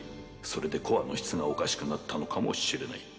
それでコアの質がおかしくなったのかもしれない